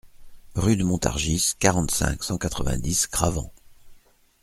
Rue de Montargis, quarante-cinq, cent quatre-vingt-dix Cravant